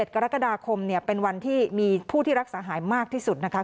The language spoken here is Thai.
กรกฎาคมเป็นวันที่มีผู้ที่รักษาหายมากที่สุดนะคะ